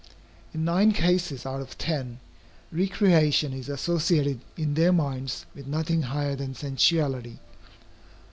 In nine cases out of ten, recreation is associated in their minds with nothing higher than sensuality.